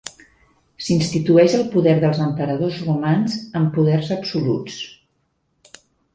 S'institueix el poder dels emperadors romans amb poders absoluts.